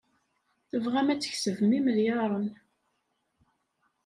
Tebɣam ad tkesbem imelyaṛen.